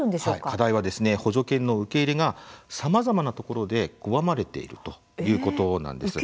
課題は補助犬の受け入れがさまざまなところで拒まれているということなんです。